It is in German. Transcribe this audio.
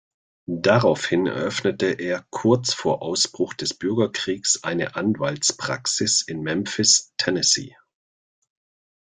Daraufhin eröffnete er kurz vor Ausbruch des Bürgerkriegs eine Anwaltspraxis in Memphis, Tennessee.